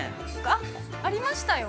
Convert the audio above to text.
◆あっ、ありましたよ。